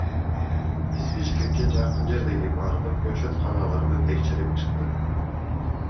Биз Бишкекке жакын жердеги бардык көчөтканаларды текшерип чыктык.